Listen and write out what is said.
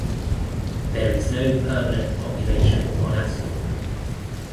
There is no permanent population on Askold.